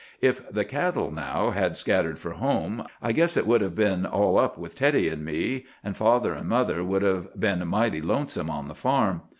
"If the cattle, now, had scattered for home, I guess it would have been all up with Teddy and me, and father and mother would have been mighty lonesome on the farm.